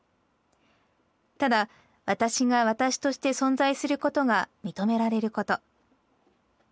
「ただわたしがわたしとして存在することが認められること。